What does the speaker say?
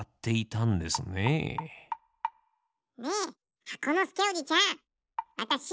ねえ箱のすけおじちゃんわたし